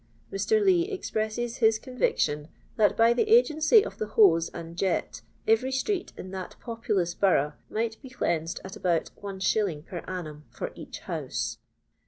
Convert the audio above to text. Mr. Lee expresses his conviction that, by the agency of the hose and jet, every street in that populous borough mieht be cleansed at about Is. per annum for each house.